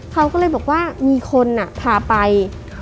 เขาก็เลยบอกว่ามีคนพาไป